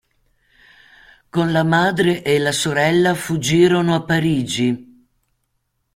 Con la madre e la sorella fuggirono a Parigi.